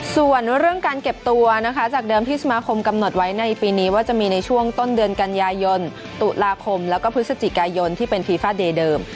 ส่วนเรื่องการเก็บตัวนะคะจากเดิมที่สมาคมกำหนดไว้ในปีนี้ว่าจะมีในช่วงต้นเดือนกันยายนตุลาคมแล้วก็พฤศจิกายนที่เป็นฟีฟาเดย์เดิม